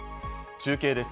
中継です。